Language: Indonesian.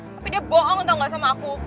tapi dia boong tau gak sama aku